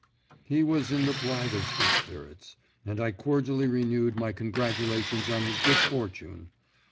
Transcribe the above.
He was in the blithest of spirits, and I cordially renewed my congratulations on his good fortune.